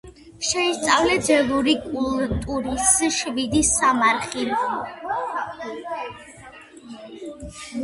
შეისწავლეს ძელური კულტურის შვიდი სამარხი.